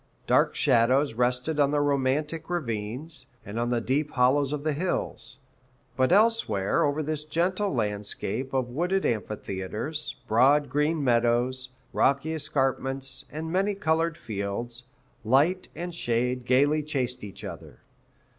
Dark shadows rested on the romantic ravines, and on the deep hollows of the hills; but elsewhere over this gentle landscape of wooded amphitheatres, broad green meadows, rocky escarpments, and many colored fields, light and shade gayly chased each other.